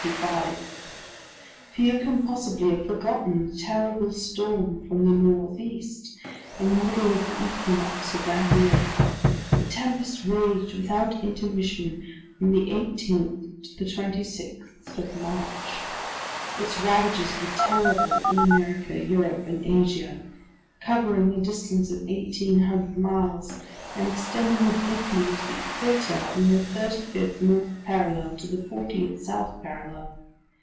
Few can possibly have forgotten the terrible storm from the northeast, in the middle of the equinox of that year. The tempest raged without intermission from the 18th to the 26th of March. Its ravages were terrible in America, Europe, and Asia, covering a distance of eighteen hundred miles, and extending obliquely to the equator from the thirty fifth north parallel to the fortieth south parallel.